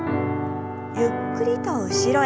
ゆっくりと後ろへ。